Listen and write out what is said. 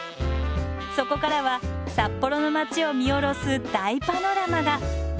そこからは札幌の街を見下ろす大パノラマが。